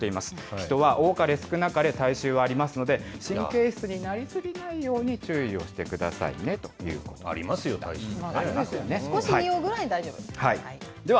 人は多かれ少なかれ体臭はありますので、神経質になり過ぎないように注意をしてくださいねということです。